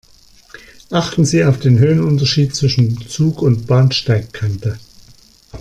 Achten Sie auf den Höhenunterschied zwischen Zug und Bahnsteigkante.